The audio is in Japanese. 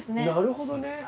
なるほどね。